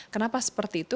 kenapa seperti itu